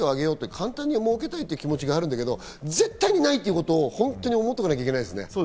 簡単に儲けたいという気持ちがあるんだけど絶対にないということを持っておかなきゃいけないですね。